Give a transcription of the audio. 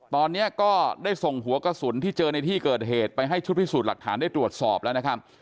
ตอนนี้ก็ได้ส่งหัวกระสุนที่เจอในที่เกิดเหตุไปให้ชุดพิสูจน์หลักฐานได้ตรวจสอบแล้วนะครับ